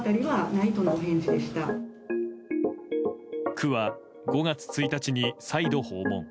区は５月１日に再度訪問。